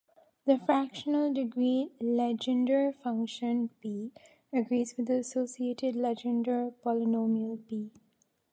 The fractional degree Legendre function "P" agrees with the associated Legendre polynomial "P".